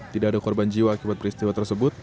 tidak ada korban jiwa akibat peristiwa tersebut